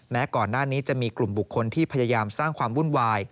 ก่อนหน้านี้จะมีกลุ่มบุคคลที่พยายามสร้างความวุ่นวาย